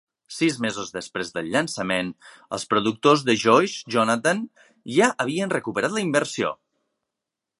Sis mesos després del llançament, els productors de Joyce Jonathan ja havien recuperat la inversió.